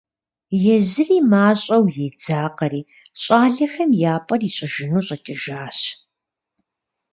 Езыри мащӀэу едзакъэри, щӀалэхэм я пӀэр ищӀыжыну щӀэкӀыжащ.